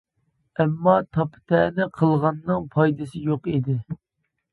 ئەمما تاپا-تەنە قىلغاننىڭ پايدىسى يوق ئىدى.